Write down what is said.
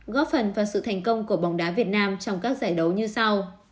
góp phần vào sự thành công của bóng đá việt nam trong các giải đấu như sau